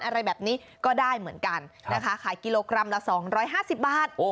อะไรแบบนี้ก็ได้เหมือนกันนะคะขายกิโลกรัมละ๒๕๐บาท